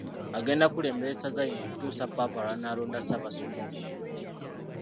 Agenda kulembera essaza lino okutuusa Ppaapa lw’anaalonda Ssaabasumba omujjuvu.